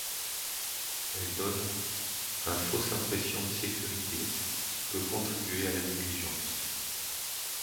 Elles donnent un fausse impression de sécurité qui peut contribuer à la négligence.